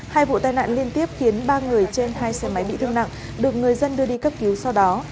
hai vụ tai nạn liên tiếp khiến ba người trên hai xe máy bị thương nặng được người dân đưa đi cấp cứu sau đó